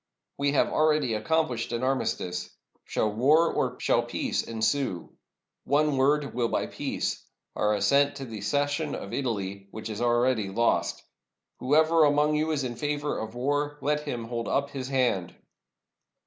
We have already accomplished an armistice. Shall war or shall peace ensue? One word will buy peace — our as sent to the cession of Italy, which is already lost. Who ever among you is in favor of war, let him hold up his hand."